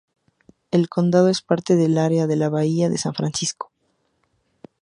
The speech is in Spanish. El condado es parte del Área de la Bahía de San Francisco.